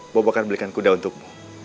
bobo akan belikan kuda untukmu